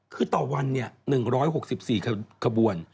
คือต่อวันเนี่ย๑๖๔ขบวน